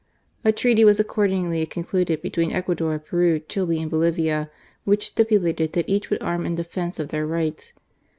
A treaty was accordingly concluded between Ecuador, Peru, Chili, and Bolivia, which stipulated that each would arm in defence of their rights.